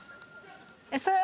それは。